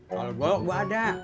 kalau gua gua ada